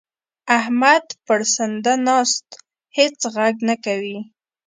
احمد پړسنده ناست؛ هيڅ ږغ نه کوي.